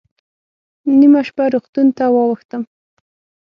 نیمه شپه روغتون ته واوښتم.